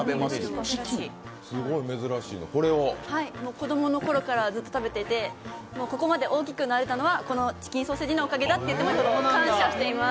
子供の頃からずっと食べていてここまで大きくなれたのは、このチキンソーセージのおかげだと。感謝してます。